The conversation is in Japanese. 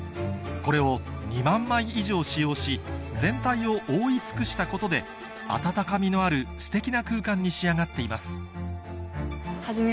これを２万枚以上使用し全体を覆い尽くしたことで温かみのあるステキな空間に仕上がっています